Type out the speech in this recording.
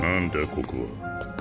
ここは。